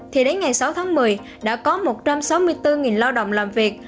thì đến ngày sáu tháng một mươi đã có một trăm sáu mươi bốn lao động làm việc